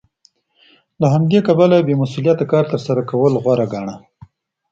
له همدې کبله یې بې مسوولیته کار تر سره کولو غوره ګاڼه